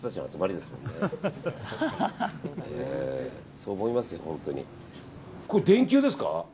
そう思います、本当に。